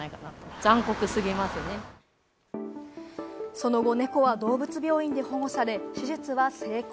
その後、猫は動物病院で保護され、手術は成功。